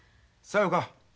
さようか。